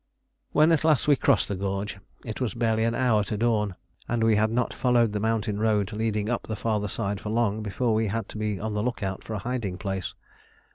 When at last we crossed the gorge it was barely an hour to dawn, and we had not followed the mountain road leading up the farther side for long before we had to be on the look out for a hiding place.